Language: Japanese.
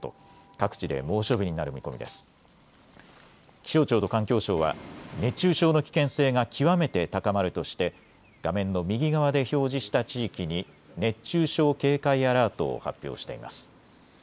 気象庁と環境省は熱中症の危険性が極めて高まるとして画面の右側で表示した地域に熱中症警戒アラートを発表しています。